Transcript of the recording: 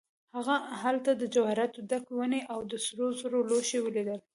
هغه هلته د جواهراتو ډکې ونې او د سرو زرو لوښي ولیدل.